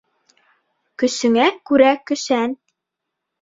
Көсөңә күрә көсән.